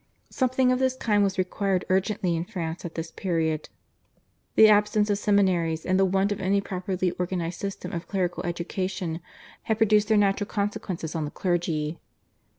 Something of this kind was required urgently in France at this period. The absence of seminaries and the want of any properly organised system of clerical education had produced their natural consequences on the clergy.